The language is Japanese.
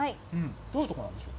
どういうところなんでしょう。